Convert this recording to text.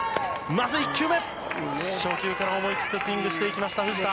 まず１球目、初球から思い切ってスイングしていきました、藤田。